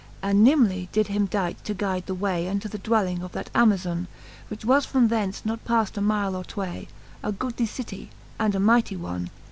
And nimbly did him dight to guide the way Unto the dwelling of that Amazone, Which was from thence not paft a mile or tway: A goodly city, and a mighty one.